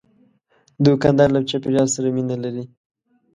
دوکاندار له چاپیریال سره مینه لري.